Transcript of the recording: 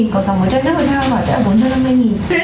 còn dòng một chai nước và một chai hoa quả sẽ là bốn trăm năm mươi